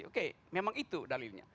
oke memang itu dalilnya